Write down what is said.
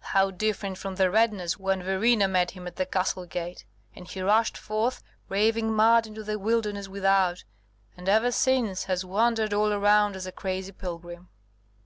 how different from the redness when Verena met him at the castle gate; and he rushed forth, raving mad, into the wilderness without, and ever since has wandered all around as a crazy pilgrim."